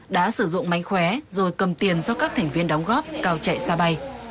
đã sử dụng mánh khóe rồi cầm tiền do các thành viên đóng góp cao chạy xa bay